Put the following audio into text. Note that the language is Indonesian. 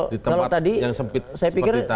di tempat yang sempit seperti tadi